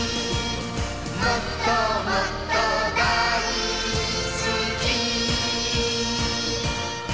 「もっともっとだいすき」